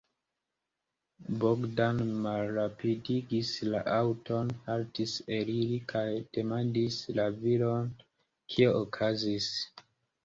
Bogdan malrapidigis la aŭton, haltis, eliris kaj demandis la viron, kio okazis.